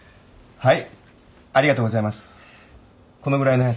はい。